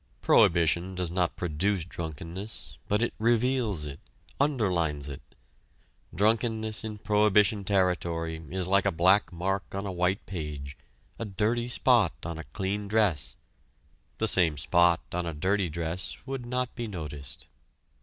Prohibition does not produce drunkenness, but it reveals it, underlines it. Drunkenness in prohibition territory is like a black mark on a white page, a dirty spot on a clean dress; the same spot on a dirty dress would not be noticed.